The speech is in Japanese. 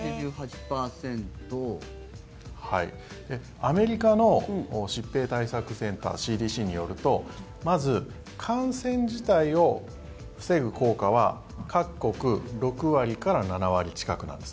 アメリカの疾病対策センター・ＣＤＣによるとまず、感染自体を防ぐ効果は各国６割から７割近くなんです。